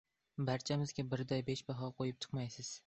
Barchamizga birday besh baho qo‘yib chiqmaysiz?!